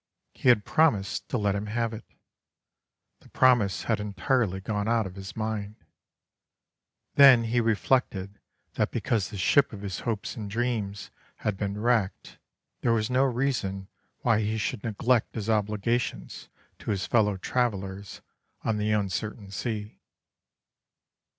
He had promised to let him have it. The promise had entirely gone out of his mind. Then he reflected that because the ship of his hopes and dreams had been wrecked there was no reason why he should neglect his obligations to his fellow travellers on the uncertain sea.